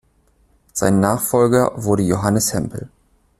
Sein Nachfolger wurde Johannes Hempel.